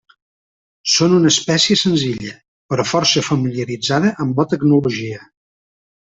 Són una espècie senzilla, però força familiaritzada amb la tecnologia.